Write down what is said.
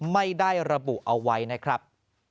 ไม่ได้ระบุเอาไว้นะครับ